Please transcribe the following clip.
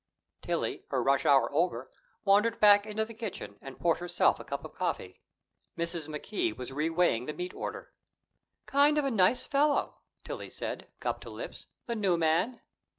Tillie, her rush hour over, wandered back into the kitchen and poured herself a cup of coffee. Mrs. McKee was reweighing the meat order. "Kind of a nice fellow," Tillie said, cup to lips "the new man."